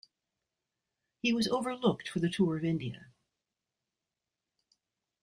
He was overlooked for the tour of India.